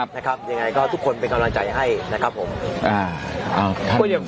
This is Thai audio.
ไงยังไงก็ทุกคนเป็นกำลังใจให้นะครับผม